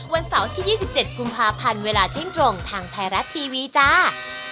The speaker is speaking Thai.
วันเสาร์ที่๒๗กุมภาพันธ์เวลาเที่ยงตรงทางไทยรัฐทีวีจ้า